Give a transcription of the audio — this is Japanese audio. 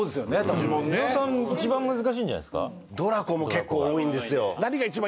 たぶんねドラコも結構多いんですよ